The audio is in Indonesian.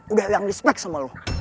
udah hilang respect sama lo